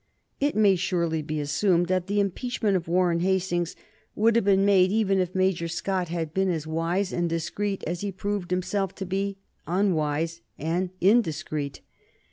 It may surely be assumed that the impeachment of Warren Hastings would have been made even if Major Scott had been as wise and discreet as he proved himself to be unwise and indiscreet.